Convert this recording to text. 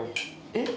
えっ？